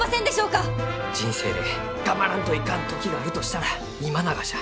人生で頑張らんといかん時があるとしたら今ながじゃ。